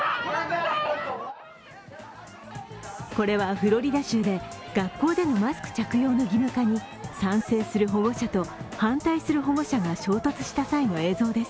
これはフロリダ州で学校のマスク着用の義務化に賛成する保護者と反対する保護者が衝突した際の映像です。